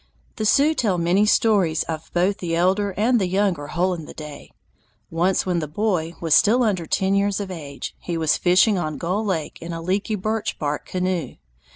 The Sioux tell many stories of both the elder and the younger Hole in the Day. Once when The Boy was still under ten years of age, he was fishing on Gull Lake in a leaky birch bark canoe.